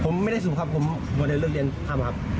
มาได้กินแบบของพันอยู่นะครับ